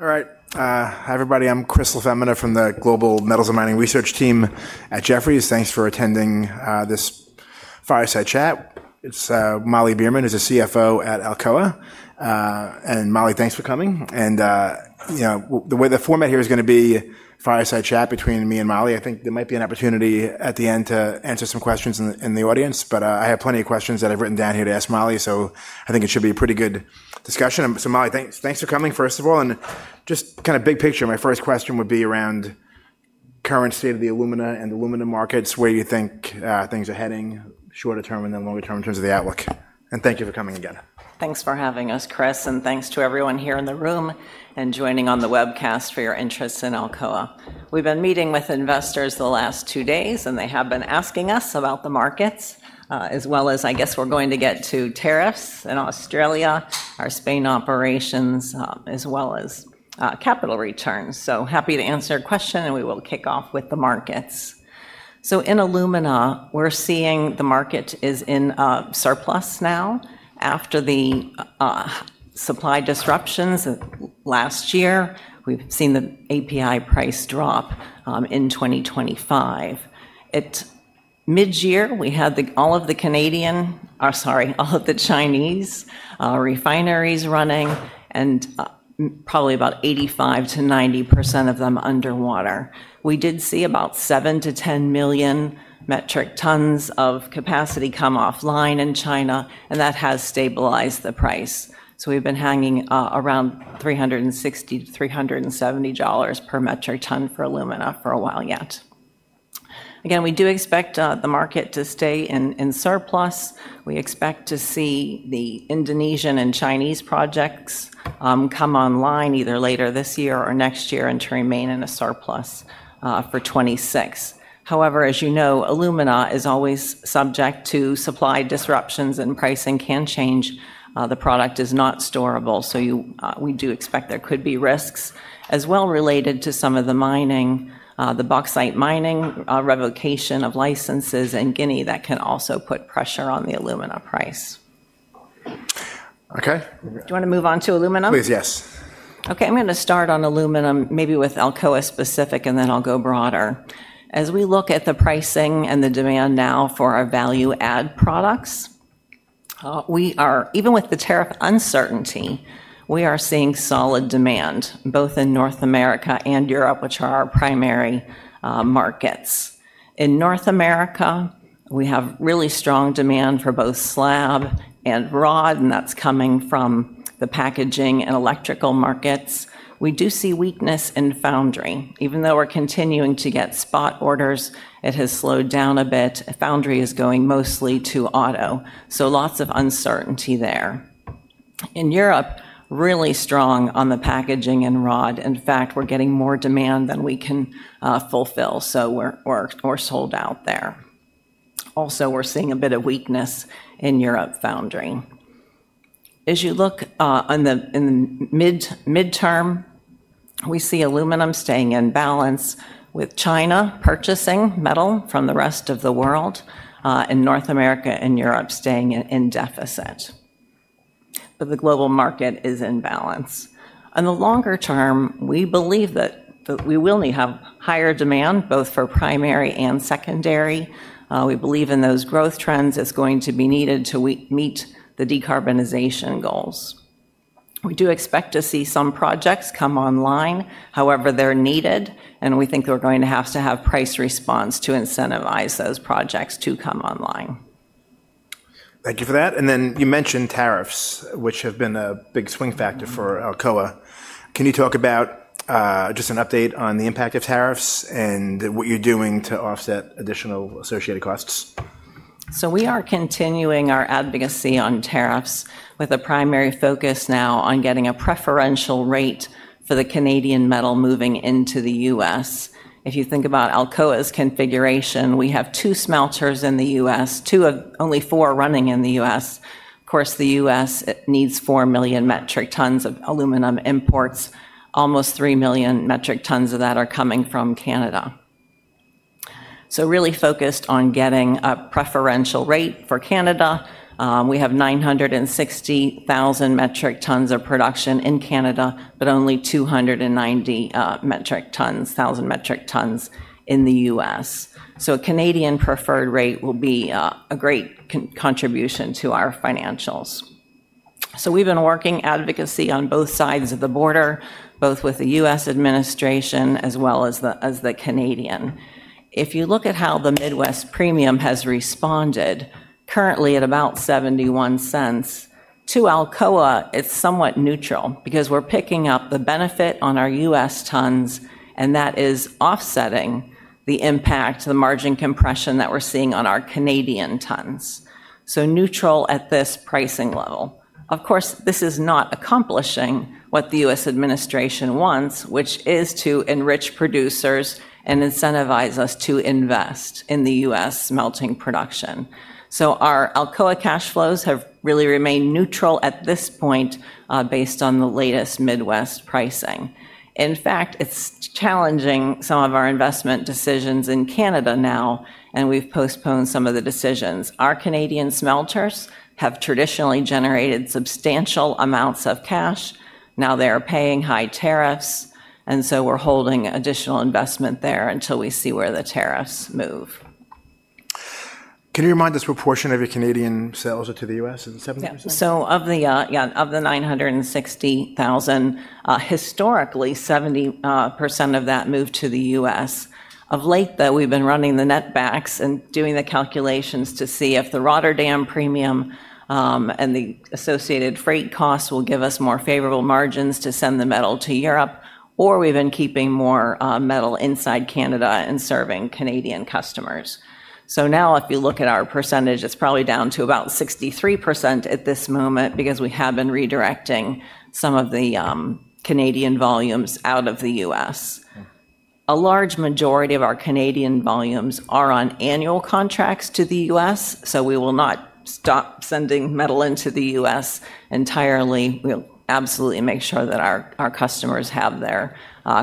All right. Hi, everybody. I'm Chris LaFemina from the Global Metals and Mining Research team at Jefferies. Thanks for attending this fireside chat. It's Molly Beerman is the CFO at Alcoa. And, Molly, thanks for coming. And you know, the way the format here is going to be a fireside chat between me and Molly. I think there might be an opportunity at the end to answer some questions in the audience, but I have plenty of questions that I've written down here to ask Molly, so I think it should be a pretty good discussion. Molly, thanks, thanks for coming, first of all, and just kind of big picture, my first question would be around current state of the alumina and aluminum markets, where you think things are heading shorter term and then longer term in terms of the outlook. Thank you for coming again. Thanks for having us, Chris, and thanks to everyone here in the room and joining on the webcast for your interest in Alcoa. We've been meeting with investors the last two days, and they have been asking us about the markets, I guess, we're going to get to tariffs in Australia, our Spain operations, as well as capital returns. Happy to answer a question, and we will kick off with the markets. In alumina, we're seeing the market is in surplus now. After the supply disruptions last year, we've seen the API price drop in 2025. At midyear, we had all of the Chinese refineries running and probably about 85%-90% of them underwater. We did see about 7-10 million metric tons of capacity come offline in China, and that has stabilized the price, so we've been hanging around $360-$370 per metric ton for alumina for a while yet. Again, we do expect the market to stay in surplus. We expect to see the Indonesian and Chinese projects come online either later this year or next year and to remain in a surplus for 2026. However, as you know, alumina is always subject to supply disruptions, and pricing can change. The product is not storable, so we do expect there could be risks as well related to some of the mining, the bauxite mining, revocation of licenses in Guinea that can also put pressure on the alumina price. Okay. Do you want to move on to aluminum? Please, yes. Okay, I'm going to start on aluminum, maybe with Alcoa specific, and then I'll go broader. As we look at the pricing and the demand now for our value-add products, we are even with the tariff uncertainty, we are seeing solid demand both in North America and Europe, which are our primary markets. In North America, we have really strong demand for both slab and rod, and that's coming from the packaging and electrical markets. We do see weakness in foundry. Even though we're continuing to get spot orders, it has slowed down a bit. Foundry is going mostly to auto, so lots of uncertainty there. In Europe, really strong on the packaging and rod. In fact, we're getting more demand than we can fulfill, so we're sold out there. Also, we're seeing a bit of weakness in Europe foundry. As you look in the midterm, we see aluminum staying in balance, with China purchasing metal from the rest of the world, and North America and Europe staying in deficit, but the global market is in balance. On the longer term, we believe that we will have higher demand, both for primary and secondary. We believe in those growth trends. It's going to be needed till we meet the decarbonization goals. We do expect to see some projects come online, however they're needed, and we think we're going to have to have price response to incentivize those projects to come online. Thank you for that. And then you mentioned tariffs, which have been a big swing factor for Alcoa. Mm-hmm. Can you talk about, just an update on the impact of tariffs and what you're doing to offset additional associated costs? So we are continuing our advocacy on tariffs, with a primary focus now on getting a preferential rate for the Canadian metal moving into the U.S. If you think about Alcoa's configuration, we have two smelters in the U.S., two of only four running in the U.S. Of course, the U.S., it needs 4 million metric tons of aluminum imports. Almost 3 million metric tons of that are coming from Canada. So really focused on getting a preferential rate for Canada. We have 960,000 metric tons of production in Canada, but only 290,000 metric tons in the U.S. So a Canadian preferred rate will be a great contribution to our financials. So we've been working advocacy on both sides of the border, both with the U.S. administration, as well as the Canadian. If you look at how the Midwest premium has responded, currently at about $0.71, to Alcoa, it's somewhat neutral because we're picking up the benefit on our U.S. tons, and that is offsetting the impact, the margin compression that we're seeing on our Canadian tons, so neutral at this pricing level. Of course, this is not accomplishing what the U.S. administration wants, which is to enrich producers and incentivize us to invest in the U.S. smelting production. So our Alcoa cash flows have really remained neutral at this point, based on the latest Midwest pricing. In fact, it's challenging some of our investment decisions in Canada now, and we've postponed some of the decisions. Our Canadian smelters have traditionally generated substantial amounts of cash. Now they are paying high tariffs, and so we're holding additional investment there until we see where the tariffs move. Can you remind us what portion of your Canadian sales are to the U.S.? Is it 70%? Yeah. So of the 960,000, historically, 70% of that moved to the U.S. Of late, though, we've been running the netbacks and doing the calculations to see if the Rotterdam premium and the associated freight costs will give us more favorable margins to send the metal to Europe, or we've been keeping more metal inside Canada and serving Canadian customers. So now, if you look at our percentage, it's probably down to about 63% at this moment because we have been redirecting some of the Canadian volumes out of the U.S. Okay. A large majority of our Canadian volumes are on annual contracts to the U.S., so we will not stop sending metal into the U.S. entirely. We'll absolutely make sure that our customers have their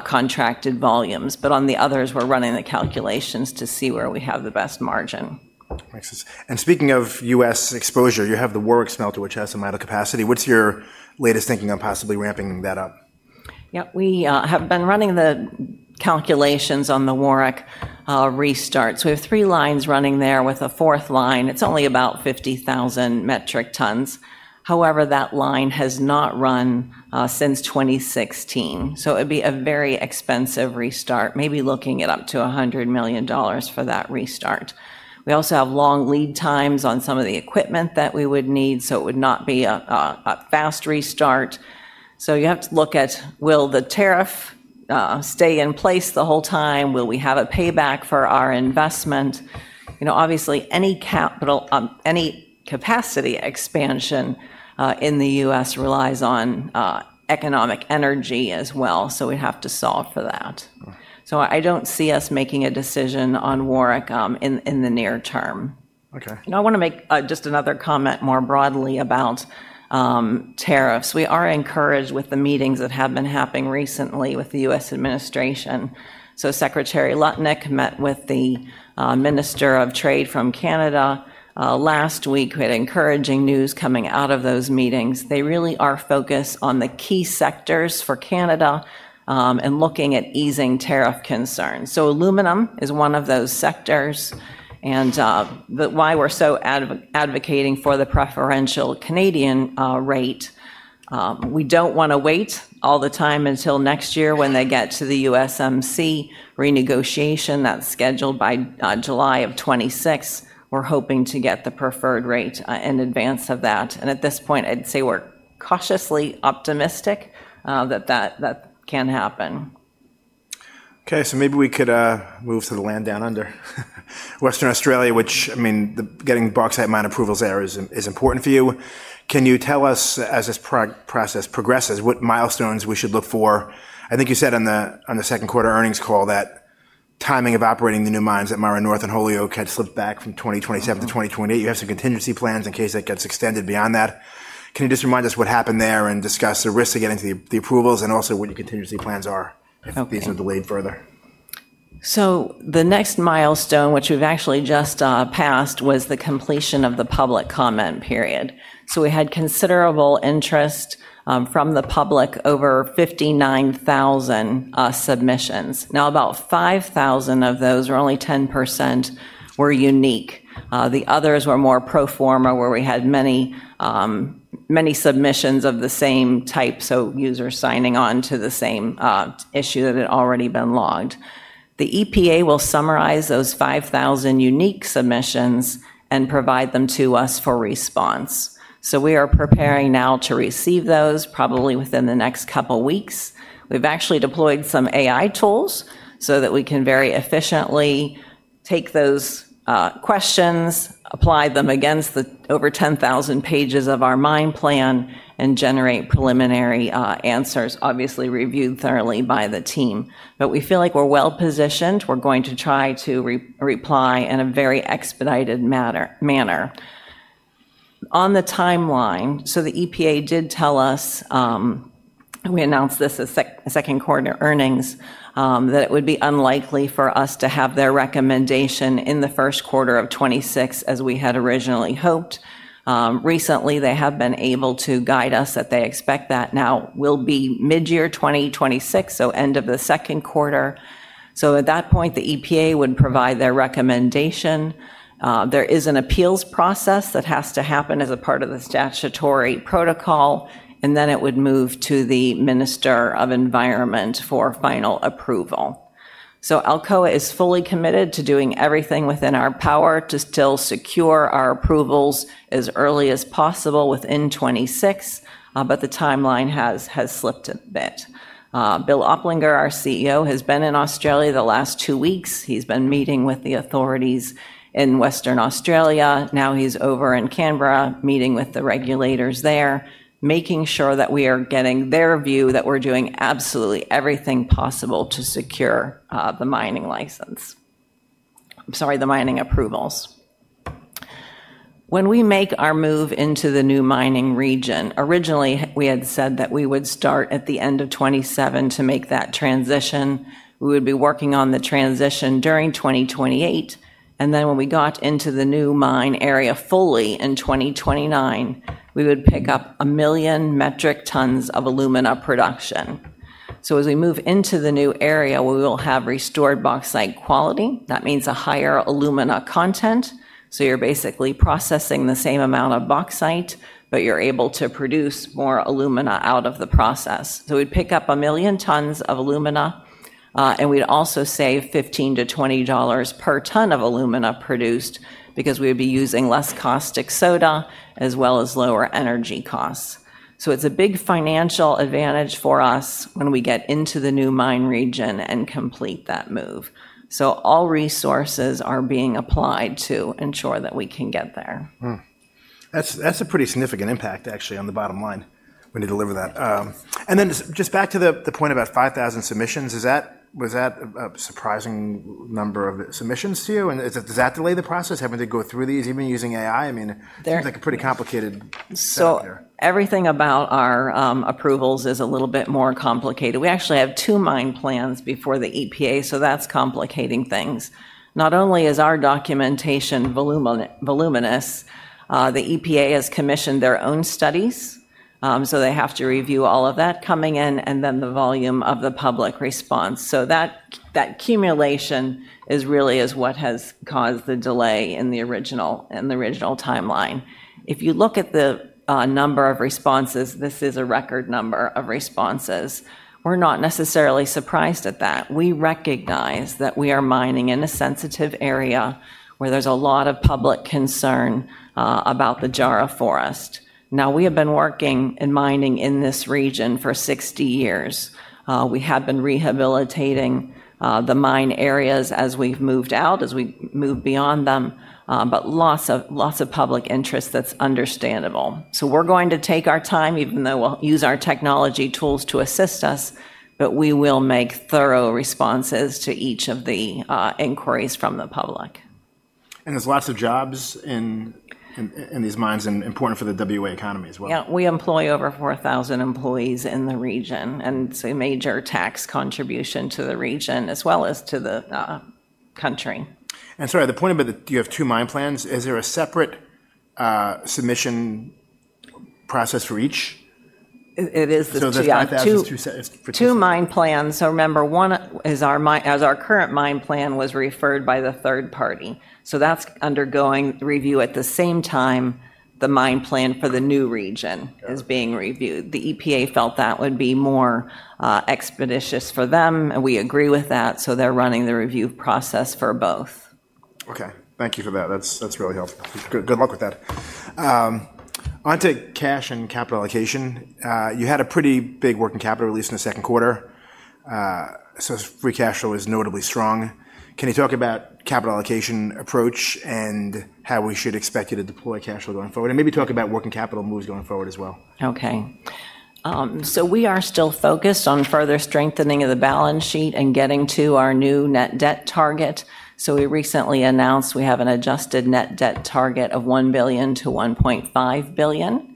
contracted volumes. But on the others, we're running the calculations to see where we have the best margin. Makes sense. And speaking of U.S. exposure, you have the Warrick smelter, which has some idle capacity. What's your latest thinking on possibly ramping that up? Yeah, we have been running the calculations on the Warrick restart. We have three lines running there, with a fourth line. It's only about 50,000 metric tons. However, that line has not run since 2016, so it'd be a very expensive restart, maybe looking at up to $100 million for that restart. We also have long lead times on some of the equipment that we would need, so it would not be a fast restart. You have to look at: Will the tariff stay in place the whole time? Will we have a payback for our investment? You know, obviously, any capital, any capacity expansion in the U.S. relies on economic energy as well, so we'd have to solve for that. Right. So I don't see us making a decision on Warrick, in the near term. Okay. I want to make just another comment more broadly about tariffs. We are encouraged with the meetings that have been happening recently with the U.S. administration. Secretary Lutnick met with the Minister of Trade from Canada last week. We had encouraging news coming out of those meetings. They really are focused on the key sectors for Canada and looking at easing tariff concerns. Aluminum is one of those sectors, and that's why we're so advocating for the preferential Canadian rate. We don't want to wait all the time until next year when they get to the USMCA renegotiation that's scheduled by July of 2026. We're hoping to get the preferred rate in advance of that, and at this point, I'd say we're cautiously optimistic that that can happen. Okay, so maybe we could move to the land down under, Western Australia, which, I mean, the getting bauxite mine approvals there is important for you. Can you tell us, as this process progresses, what milestones we should look for? I think you said on the second quarter earnings call that timing of operating the new mines at Myara North and Holyoake had slipped back from 2027 to 2028. Mm-hmm. You have some contingency plans in case that gets extended beyond that. Can you just remind us what happened there and discuss the risks of getting the approvals and also what your contingency plans are? Okay... if these are delayed further? So the next milestone, which we've actually just passed, was the completion of the public comment period. So we had considerable interest from the public, over 59,000 submissions. Now, about 5,000 of those, or only 10%, were unique. The others were more pro forma, where we had many submissions of the same type, so users signing on to the same issue that had already been logged. The EPA will summarize those 5,000 unique submissions and provide them to us for response. So we are preparing now to receive those, probably within the next couple weeks. We've actually deployed some AI tools so that we can very efficiently take those questions, apply them against the over 10,000 pages of our mine plan, and generate preliminary answers, obviously reviewed thoroughly by the team. But we feel like we're well positioned. We're going to try to reply in a very expedited manner. On the timeline, so the EPA did tell us, and we announced this at second quarter earnings, that it would be unlikely for us to have their recommendation in the first quarter of 2026, as we had originally hoped. Recently, they have been able to guide us that they expect that now will be mid-year 2026, so end of the second quarter. So at that point, the EPA would provide their recommendation. There is an appeals process that has to happen as a part of the statutory protocol, and then it would move to the Minister of Environment for final approval. Alcoa is fully committed to doing everything within our power to still secure our approvals as early as possible within 2026, but the timeline has slipped a bit. Bill Oplinger, our CEO, has been in Australia the last two weeks. He's been meeting with the authorities in Western Australia. Now he's over in Canberra, meeting with the regulators there, making sure that we are getting their view that we're doing absolutely everything possible to secure the mining license. I'm sorry, the mining approvals. When we make our move into the new mining region, originally, we had said that we would start at the end of 2027 to make that transition. We would be working on the transition during 2028, and then when we got into the new mine area fully in 2029, we would pick up 1 million metric tons of alumina production. As we move into the new area, we will have restored bauxite quality. That means a higher alumina content, so you're basically processing the same amount of bauxite, but you're able to produce more alumina out of the process. So we'd pick up a million tons of alumina, and we'd also save $15-$20 per ton of alumina produced, because we would be using less caustic soda, as well as lower energy costs. So it's a big financial advantage for us when we get into the new mine region and complete that move. So all resources are being applied to ensure that we can get there. Hmm. That's, that's a pretty significant impact, actually, on the bottom line when you deliver that. Yes. And then, just back to the point about five thousand submissions, was that a surprising number of submissions to you? And does that delay the process, having to go through these, even using AI? I mean There- It's, like, a pretty complicated set up there. So everything about our approvals is a little bit more complicated. We actually have two mine plans before the EPA, so that's complicating things. Not only is our documentation voluminous, the EPA has commissioned their own studies, so they have to review all of that coming in, and then the volume of the public response. So that accumulation is really what has caused the delay in the original timeline. If you look at the number of responses, this is a record number of responses. We're not necessarily surprised at that. We recognize that we are mining in a sensitive area, where there's a lot of public concern about the Jarrah Forest. Now, we have been working in mining in this region for 60 years. We have been rehabilitating the mine areas as we've moved out, as we move beyond them, but lots of, lots of public interest, that's understandable, so we're going to take our time, even though we'll use our technology tools to assist us, but we will make thorough responses to each of the inquiries from the public. There's lots of jobs in these mines and important for the WA economy as well. Yeah. We employ over 4,000 employees in the region, and it's a major tax contribution to the region as well as to the country. Sorry, the point about that you have two mine plans, is there a separate submission process for each? It is... Yeah. So that's five thousand, two sets- Two mine plans. So remember, one is our mine as our current mine plan was referred by the third party. So that's undergoing review. At the same time, the mine plan for the new region- Okay... is being reviewed. The EPA felt that would be more expeditious for them, and we agree with that, so they're running the review process for both. Okay. Thank you for that. That's, that's really helpful. Good, good luck with that. Onto cash and capital allocation. You had a pretty big working capital, at least in the second quarter. So free cash flow is notably strong. Can you talk about capital allocation approach and how we should expect you to deploy cash flow going forward, and maybe talk about working capital moves going forward as well? Okay, so we are still focused on further strengthening of the balance sheet and getting to our new net debt target, so we recently announced we have an adjusted net debt target of $1 billion-$1.5 billion.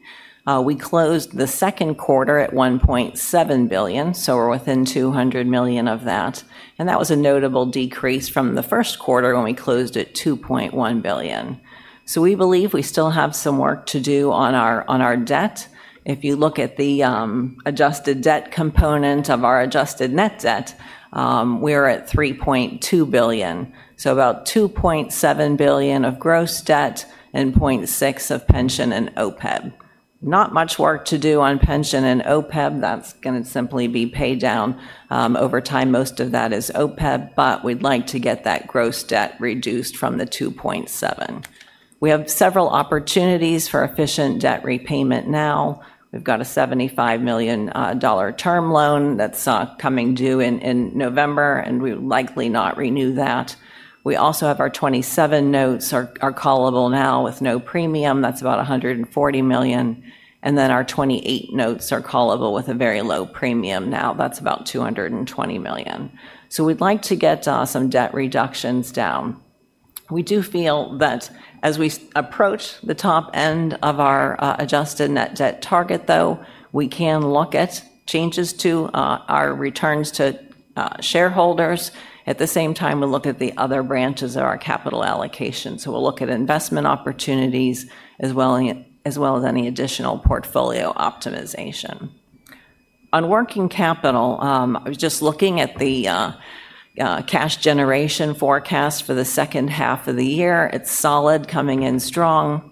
We closed the second quarter at $1.7 billion, so we're within $200 million of that, and that was a notable decrease from the first quarter when we closed at $2.1 billion, so we believe we still have some work to do on our debt. If you look at the adjusted debt component of our adjusted net debt, we're at $3.2 billion, so about $2.7 billion of gross debt and $0.6 billion of pension and OPEB. Not much work to do on pension and OPEB, that's gonna simply be paid down over time. Most of that is OPEB, but we'd like to get that gross debt reduced from the 2.7. We have several opportunities for efficient debt repayment now. We've got a $75 million dollar term loan that's coming due in November, and we'll likely not renew that. We also have our 2027 notes are callable now with no premium. That's about $140 million, and then our 2028 notes are callable with a very low premium now. That's about $220 million. So we'd like to get some debt reductions down. We do feel that as we approach the top end of our adjusted net debt target, though, we can look at changes to our returns to shareholders. At the same time, we'll look at the other branches of our capital allocation. So we'll look at investment opportunities, as well as any additional portfolio optimization. On working capital, I was just looking at the cash generation forecast for the second half of the year. It's solid, coming in strong.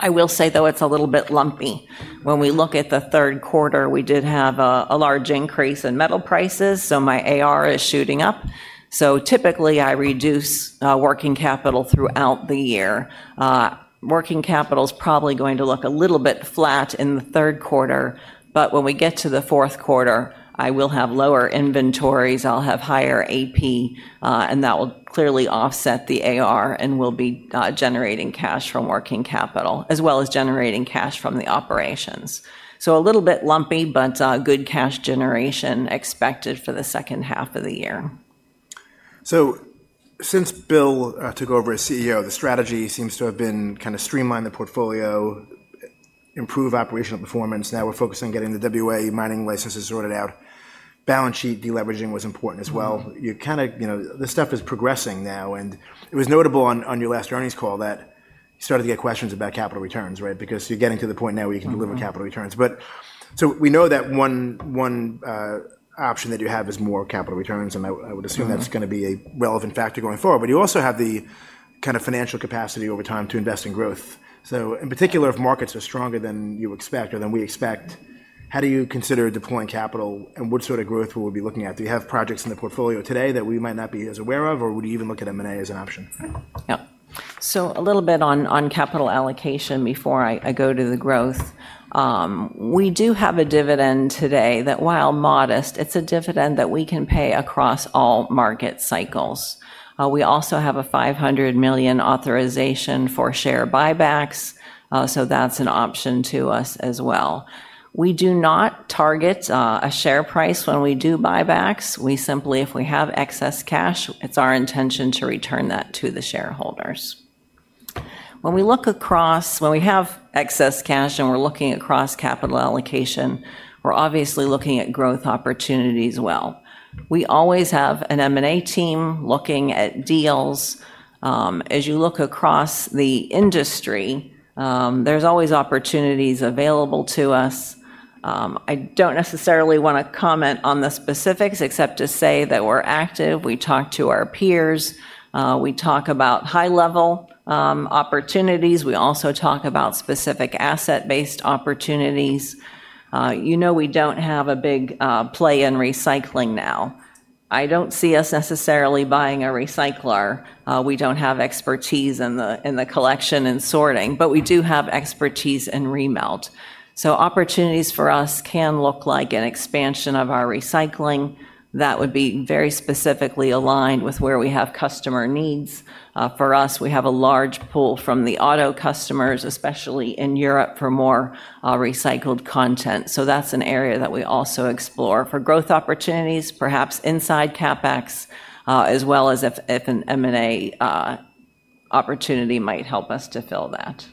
I will say, though, it's a little bit lumpy. When we look at the third quarter, we did have a large increase in metal prices, so my AR is shooting up. So typically, I reduce working capital throughout the year. Working capital is probably going to look a little bit flat in the third quarter, but when we get to the fourth quarter, I will have lower inventories, I'll have higher AP, and that will clearly offset the AR and will be generating cash from working capital, as well as generating cash from the operations. So a little bit lumpy, but, good cash generation expected for the second half of the year. Since Bill took over as CEO, the strategy seems to have been kind of streamline the portfolio, improve operational performance. Now we're focused on getting the WA mining licenses sorted out. Balance sheet deleveraging was important as well. Mm-hmm. You know, this stuff is progressing now, and it was notable on your last earnings call that you started to get questions about capital returns, right? Because you're getting to the point now where you can- Mm-hmm... deliver capital returns. But... So we know that one option that you have is more capital returns, and I would assume- Mm-hmm -that's going to be a relevant factor going forward. But you also have the kind of financial capacity over time to invest in growth. So in particular, if markets are stronger than you expect or than we expect, how do you consider deploying capital, and what sort of growth will we be looking at? Do you have projects in the portfolio today that we might not be as aware of, or would you even look at M&A as an option? Yeah. So a little bit on capital allocation before I go to the growth. We do have a dividend today that, while modest, it's a dividend that we can pay across all market cycles. We also have a $500 million authorization for share buybacks, so that's an option to us as well. We do not target a share price when we do buybacks. We simply, if we have excess cash, it's our intention to return that to the shareholders. When we have excess cash and we're looking across capital allocation, we're obviously looking at growth opportunities well. We always have an M&A team looking at deals. As you look across the industry, there's always opportunities available to us. I don't necessarily want to comment on the specifics, except to say that we're active, we talk to our peers, we talk about high-level opportunities. We also talk about specific asset-based opportunities. You know, we don't have a big play in recycling now. I don't see us necessarily buying a recycler. We don't have expertise in the collection and sorting, but we do have expertise in remelt. So opportunities for us can look like an expansion of our recycling. That would be very specifically aligned with where we have customer needs. For us, we have a large pool from the auto customers, especially in Europe, for more recycled content. So that's an area that we also explore for growth opportunities, perhaps inside CapEx, as well as if an M&A opportunity might help us to fill that.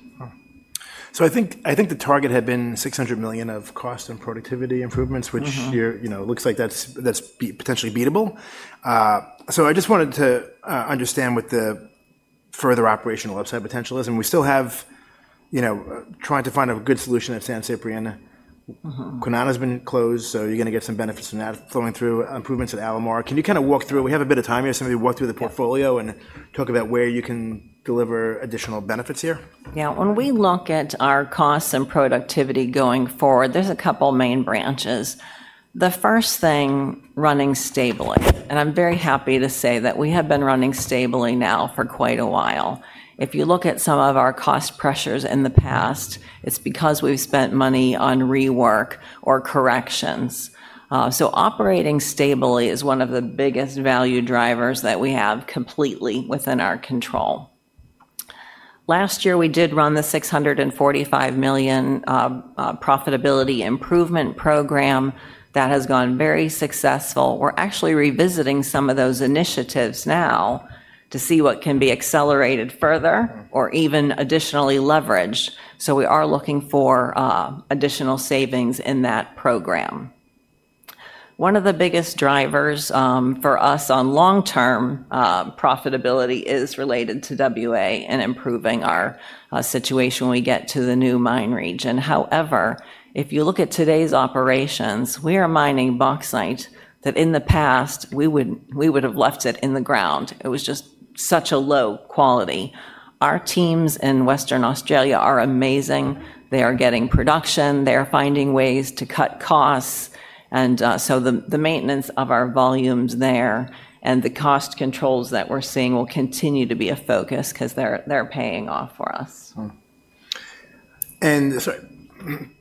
So I think the target had been $600 million of cost and productivity improvements. Mm-hmm... which here, you know, looks like that's potentially beatable. So I just wanted to understand what the further operational upside potential is, and we still have, you know, trying to find a good solution at San Ciprián. Mm-hmm. Kwinana has been closed, so you're going to get some benefits from that flowing through, improvements at Alumar. Can you kind of walk through- We have a bit of time here, so maybe walk through the portfolio- Yeah... and talk about where you can deliver additional benefits here. Yeah. When we look at our costs and productivity going forward, there's a couple main branches. The first thing, running stably, and I'm very happy to say that we have been running stably now for quite a while. If you look at some of our cost pressures in the past, it's because we've spent money on rework or corrections. So operating stably is one of the biggest value drivers that we have completely within our control. Last year, we did run the $645 million profitability improvement program. That has gone very successful. We're actually revisiting some of those initiatives now to see what can be accelerated further. Mm... or even additionally leveraged. So we are looking for additional savings in that program. One of the biggest drivers for us on long-term profitability is related to WA and improving our situation when we get to the new mine region. However, if you look at today's operations, we are mining bauxite that, in the past, we would have left it in the ground. It was just such a low quality. Our teams in Western Australia are amazing. They are getting production, they are finding ways to cut costs, and so the maintenance of our volumes there and the cost controls that we're seeing will continue to be a focus 'cause they're paying off for us. And so,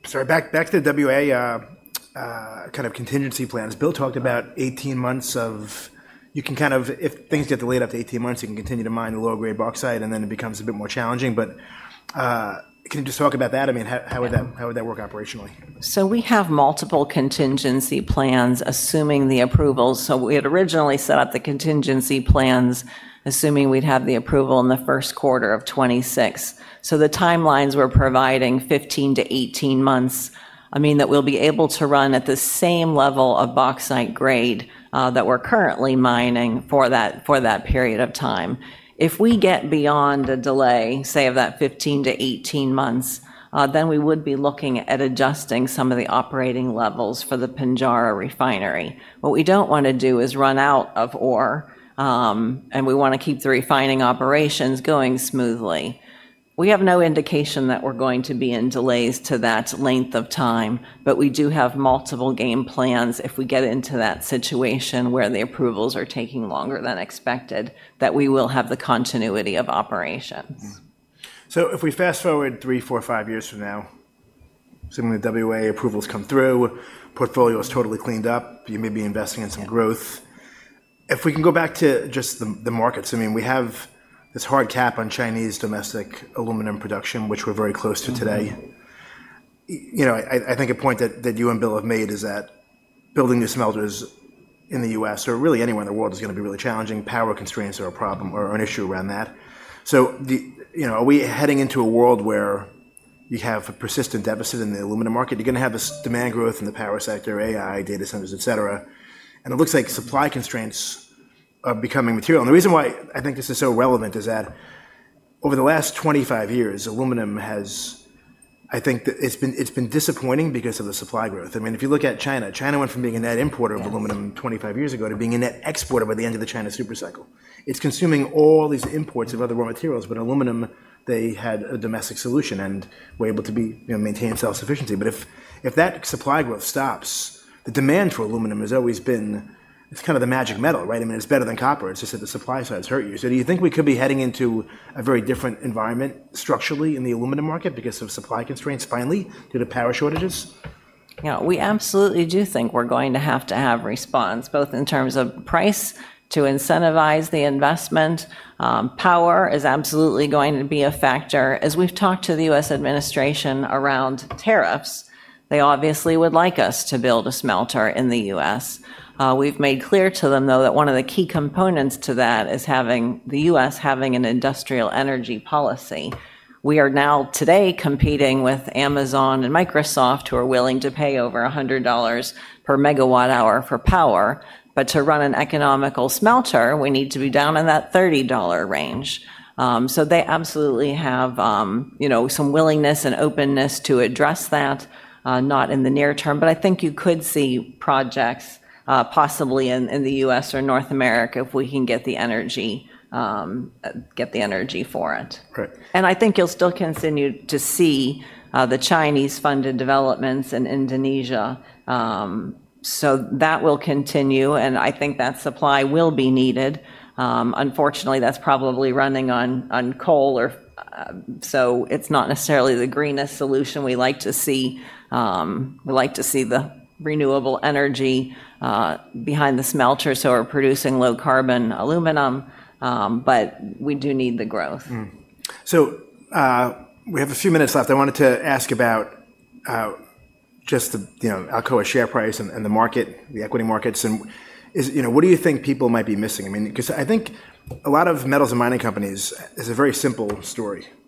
sorry, back to the WA kind of contingency plans. Bill talked about eighteen months of... You can kind of, if things get delayed up to eighteen months, you can continue to mine the lower-grade bauxite, and then it becomes a bit more challenging. But, can you just talk about that? I mean, how would that- Yeah... how would that work operationally? We have multiple contingency plans, assuming the approvals. We had originally set up the contingency plans, assuming we'd have the approval in the first quarter of 2026. The timelines we're providing, 15-18 months, I mean that we'll be able to run at the same level of bauxite grade, that we're currently mining for that period of time. If we get beyond the delay, say, of that 15-18 months, then we would be looking at adjusting some of the operating levels for the Pinjarra refinery. What we don't want to do is run out of ore, and we want to keep the refining operations going smoothly. We have no indication that we're going to be in delays to that length of time, but we do have multiple game plans if we get into that situation where the approvals are taking longer than expected, that we will have the continuity of operations. Mm-hmm, so if we fast-forward three, four, five years from now, assuming the WA approvals come through, portfolio is totally cleaned up, you may be investing in some growth. Yeah. If we can go back to just the markets, I mean, we have this hard cap on Chinese domestic aluminum production, which we're very close to today. Mm-hmm. You know, I think a point that you and Bill have made is that building new smelters in the U.S., or really anywhere in the world, is going to be really challenging. Power constraints are a problem or an issue around that. So, you know, are we heading into a world where you have a persistent deficit in the aluminum market? You're going to have this demand growth in the power sector, AI, data centers, et cetera, and it looks like supply constraints are becoming material. And the reason why I think this is so relevant is that over the last twenty-five years, aluminum has, I think it's been disappointing because of the supply growth. I mean, if you look at China, it went from being a net importer of aluminum- Yeah Twenty-five years ago to being a net exporter by the end of the China super cycle. It's consuming all these imports of other raw materials, but aluminum, they had a domestic solution and were able to be, you know, maintain self-sufficiency. But if, if that supply growth stops, the demand for aluminum has always been. It's kind of the magic metal, right? I mean, it's better than copper. It's just that the supply sides hurt you. So do you think we could be heading into a very different environment structurally in the aluminum market because of supply constraints, finally, due to power shortages? Yeah, we absolutely do think we're going to have to have response, both in terms of price to incentivize the investment. Power is absolutely going to be a factor. As we've talked to the U.S. administration around tariffs, they obviously would like us to build a smelter in the U.S. We've made clear to them, though, that one of the key components to that is having the U.S. having an industrial energy policy. We are now today competing with Amazon and Microsoft, who are willing to pay over $100 per megawatt hour for power. But to run an economical smelter, we need to be down in that $30 range. So they absolutely have, you know, some willingness and openness to address that, not in the near term, but I think you could see projects, possibly in the U.S. or North America, if we can get the energy for it. Great. And I think you'll still continue to see the Chinese-funded developments in Indonesia. So that will continue, and I think that supply will be needed. Unfortunately, that's probably running on coal. So it's not necessarily the greenest solution we like to see. We like to see the renewable energy behind the smelter, so we're producing low-carbon aluminum, but we do need the growth. Mm-hmm. So, we have a few minutes left. I wanted to ask about just the, you know, Alcoa share price and the market, the equity markets, and. You know, what do you think people might be missing? I mean, because I think a lot of metals and mining companies, it's a very simple story. Mm-hmm.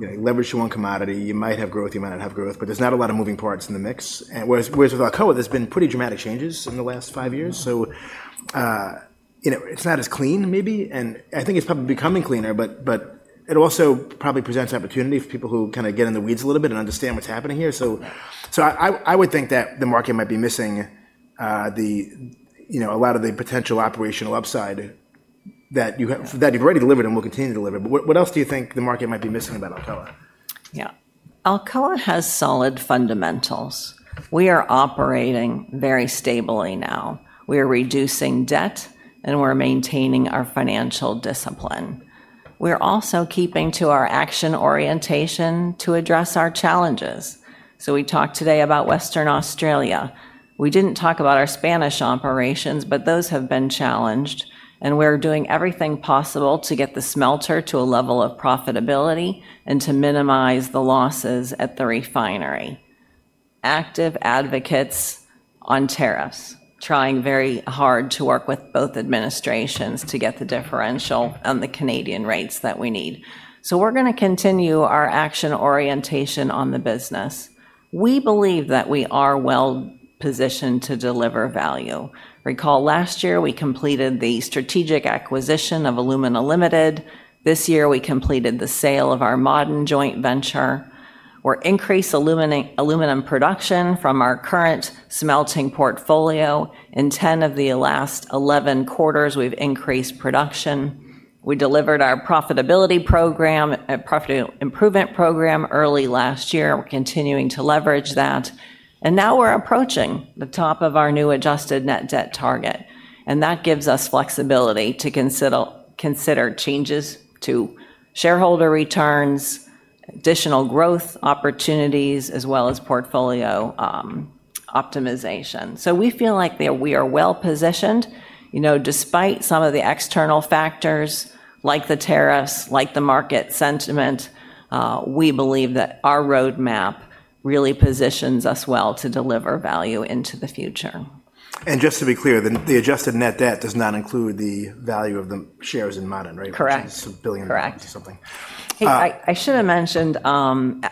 You know, you leverage one commodity, you might have growth, you might not have growth, but there's not a lot of moving parts in the mix. And whereas, whereas with Alcoa, there's been pretty dramatic changes in the last five years. Mm-hmm. So, you know, it's not as clean, maybe, and I think it's probably becoming cleaner, but it also probably presents opportunity for people who kind of get in the weeds a little bit and understand what's happening here. So I would think that the market might be missing, the, you know, a lot of the potential operational upside that you have that you've already delivered and will continue to deliver. But what else do you think the market might be missing about Alcoa? Yeah. Alcoa has solid fundamentals. We are operating very stably now. We are reducing debt, and we're maintaining our financial discipline. We're also keeping to our action orientation to address our challenges. So we talked today about Western Australia. We didn't talk about our Spanish operations, but those have been challenged, and we're doing everything possible to get the smelter to a level of profitability and to minimize the losses at the refinery. Active advocates on tariffs, trying very hard to work with both administrations to get the differential on the Canadian rates that we need. So we're going to continue our action orientation on the business. We believe that we are well positioned to deliver value. Recall last year, we completed the strategic acquisition of Alumina Limited. This year, we completed the sale of our Ma'aden joint venture or increase aluminum production from our current smelting portfolio. In ten of the last eleven quarters, we've increased production. We delivered our profitability program, profit improvement program early last year, and we're continuing to leverage that. Now we're approaching the top of our new adjusted net debt target, and that gives us flexibility to consider changes to shareholder returns, additional growth opportunities, as well as portfolio optimization. We feel like we are well positioned. You know, despite some of the external factors, like the tariffs, like the market sentiment, we believe that our roadmap really positions us well to deliver value into the future. And just to be clear, the adjusted net debt does not include the value of the shares in Ma'aden, right? Correct. It's a billion- Correct - something. I should have mentioned,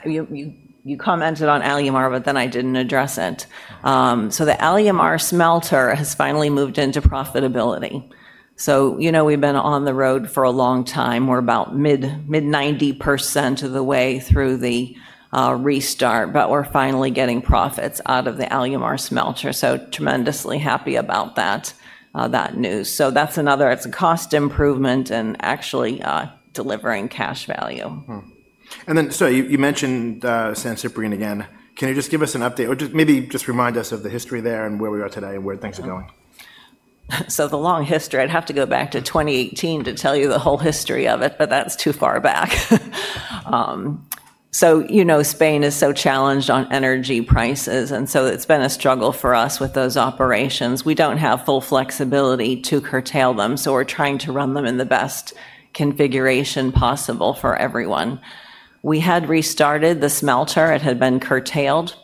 you commented on Alumar, but then I didn't address it. So the Alumar smelter has finally moved into profitability. So, you know, we've been on the road for a long time. We're about mid-90% of the way through the restart, but we're finally getting profits out of the Alumar smelter. So tremendously happy about that news. So that's another. It's a cost improvement and actually delivering cash value. Mm-hmm. And then, so you mentioned San Ciprián again. Can you just give us an update or just maybe remind us of the history there and where we are today and where things are going? So the long history, I'd have to go back to 2018 to tell you the whole history of it, but that's too far back. So, you know, Spain is so challenged on energy prices, and so it's been a struggle for us with those operations. We don't have full flexibility to curtail them, so we're trying to run them in the best configuration possible for everyone. We had restarted the smelter. It had been curtailed.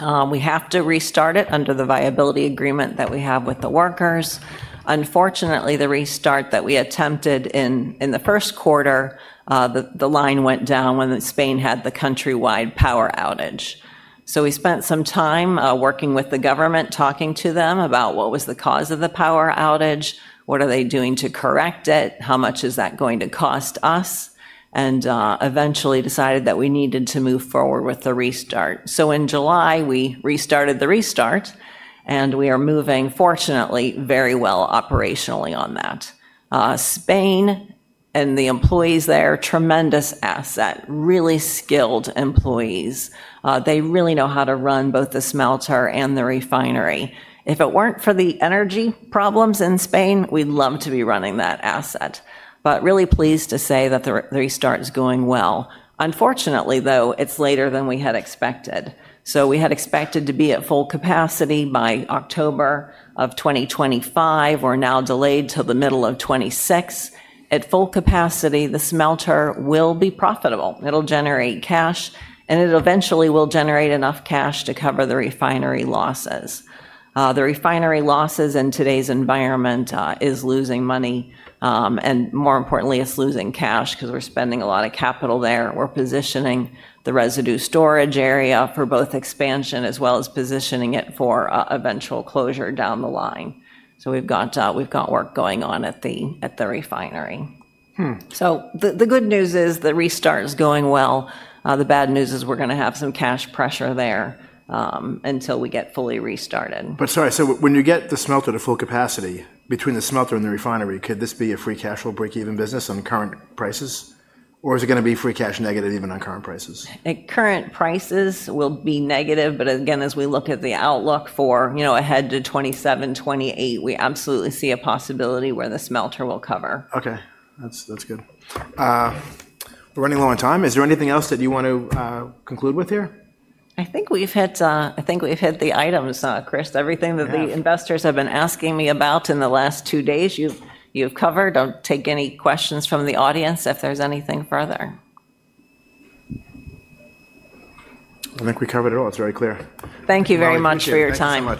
We have to restart it under the viability agreement that we have with the workers. Unfortunately, the restart that we attempted in the first quarter, the line went down when Spain had the countrywide power outage.... So we spent some time working with the government, talking to them about what was the cause of the power outage, what are they doing to correct it, how much is that going to cost us, and eventually decided that we needed to move forward with the restart. So in July, we restarted the restart, and we are moving, fortunately, very well operationally on that. Spain and the employees there, tremendous asset, really skilled employees. They really know how to run both the smelter and the refinery. If it weren't for the energy problems in Spain, we'd love to be running that asset, but really pleased to say that the restart is going well. Unfortunately, though, it's later than we had expected. So we had expected to be at full capacity by October of 2025. We're now delayed till the middle of 2026. At full capacity, the smelter will be profitable. It'll generate cash, and it eventually will generate enough cash to cover the refinery losses. The refinery losses in today's environment is losing money, and more importantly, it's losing cash, 'cause we're spending a lot of capital there. We're positioning the residue storage area for both expansion, as well as positioning it for eventual closure down the line, so we've got work going on at the refinery, so the good news is the restart is going well. The bad news is we're gonna have some cash pressure there until we get fully restarted. But sorry, so when you get the smelter to full capacity, between the smelter and the refinery, could this be a free cash flow breakeven business on current prices? Or is it gonna be free cash negative, even on current prices? At current prices, we'll be negative, but again, as we look at the outlook for, you know, ahead to 2027, 2028, we absolutely see a possibility where the smelter will cover. Okay, that's good. We're running low on time. Is there anything else that you want to conclude with here? I think we've hit the items, Chris. We have. Everything that the investors have been asking me about in the last two days, you've covered. I'll take any questions from the audience if there's anything further. I think we covered it all. It's very clear. Thank you very much for your time.